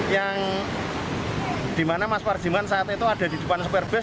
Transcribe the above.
yang dimana mas parjiman saat itu ada di depan spare bus